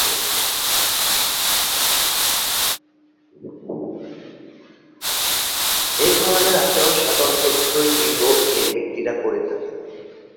এ ধরণের আচরণ সাধারণত বিপরীত লিঙ্গ-এর ব্যক্তিরা করে থাকে।